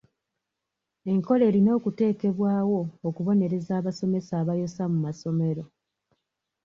Enkola erina okuteekebwawo okubonereza abasomesa abayosa mu masomero.